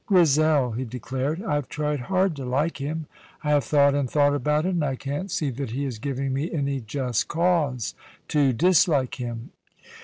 "Grizel," he declared, "I have tried hard to like him. I have thought and thought about it, and I can't see that he has given me any just cause to dislike him."